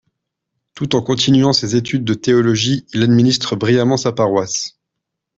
Tout en continuant ses études de théologie, il administre brillamment sa paroisse.